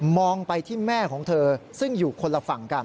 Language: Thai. ไปที่แม่ของเธอซึ่งอยู่คนละฝั่งกัน